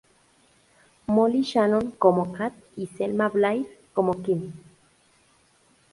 Molly Shannon como Kath, y Selma Blair como Kim.